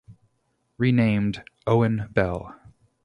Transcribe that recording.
Renamed "Owen Belle".